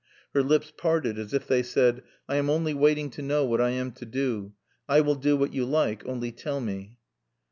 Her lips parted as if they said, "I am only waiting to know what I am to do. I will do what you like, only tell me."